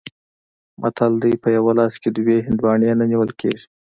متل دی: په یوه لاس کې دوه هندواڼې نه نیول کېږي.